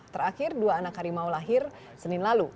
terakhir dua anak harimau lahir senin lalu